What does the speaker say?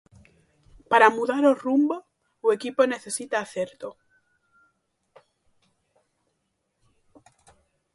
Para mudar o rumbo, o equipo necesita acerto.